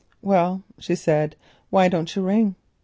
"Well," she said, "why don't you ring?"